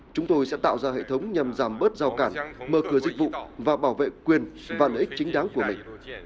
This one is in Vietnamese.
chúng tôi sẽ tạo ra hệ thống nhằm giảm bớt giao cản mở cửa dịch vụ và bảo vệ quyền và lợi ích chính đáng của mình